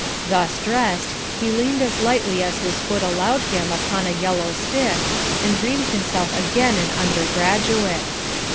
Thus dressed, he leaned as lightly as his foot allowed him upon a yellow stick, and dreamed himself again an undergraduate.